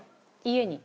家に。